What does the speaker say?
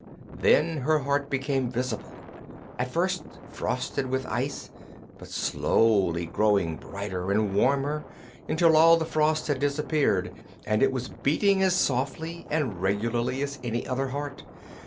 Then her heart became visible, at first frosted with ice but slowly growing brighter and warmer until all the frost had disappeared and it was beating as softly and regularly as any other heart.